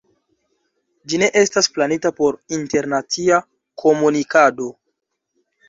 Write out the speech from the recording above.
Ĝi ne estas planita por internacia komunikado.